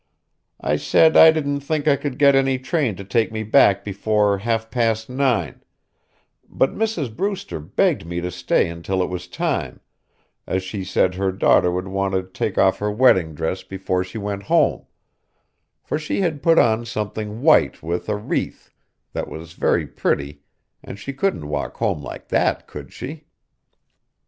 I said I didn't think I could get any train to take me back before half past nine, but Mrs. Brewster begged me to stay until it was time, as she said her daughter would want to take off her wedding dress before she went home; for she had put on something white with a wreath, that was very pretty, and she couldn't walk home like that, could she?